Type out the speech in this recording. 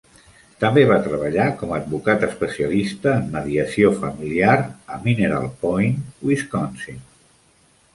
També va treballar com a advocat especialista en mediació familiar a Mineral Point, Wisconsin.